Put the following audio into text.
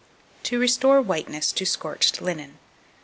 To restore Whiteness to scorched Linen.